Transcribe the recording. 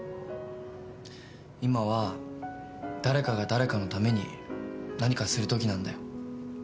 今は誰かが誰かのために何かするときなんだよ。